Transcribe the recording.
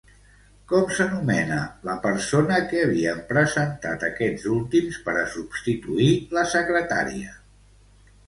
Com s'anomena la persona que havien presentat aquests últims per a substituir la secretària?